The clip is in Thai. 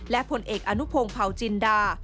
และผลเอกอนุพงศ์เผาจินดา